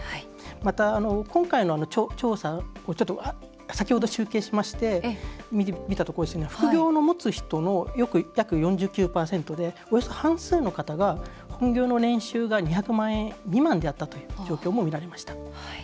また、今回の調査先ほど集計しまして見たところ副業もつ人の約４９％でおよそ半数の方が、本業の年収が２００万円未満であったという状況もみられました。